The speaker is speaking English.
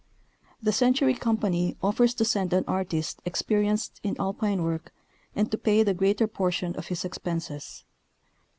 The Century Company off'ers to send an artist ' experienced in Alpine work and to pay the greater por tion of his expenses.